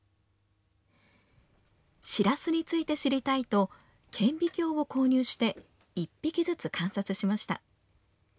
しらすについて知りたいと、顕微鏡を購入して、１匹ずつ観察しました。